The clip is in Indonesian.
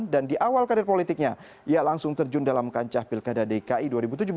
dan di awal karir politiknya ia langsung terjun dalam kancah pilkada dki dua ribu tujuh belas